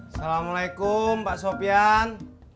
assalamualaikum pak sofian